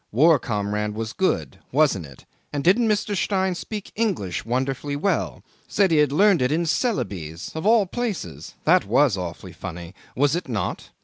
War comrade was good. Wasn't it? And didn't Mr. Stein speak English wonderfully well? Said he had learned it in Celebes of all places! That was awfully funny. Was it not?